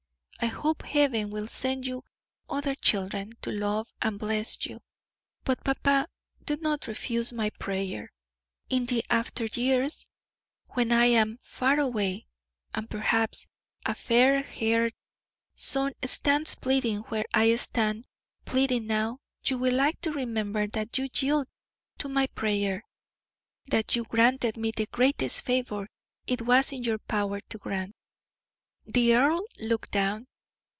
I hope Heaven will send you other children to love and bless you; but, papa, do not refuse my prayer. In the after years, when I am far away, and perhaps a fair haired son stands pleading where I stand pleading now, you will like to remember that you yielded to my prayer that you granted me the greatest favor it was in your power to grant." The earl looked down.